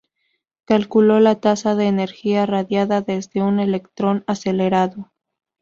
Calculó la tasa de energía radiada desde un electrón acelerado.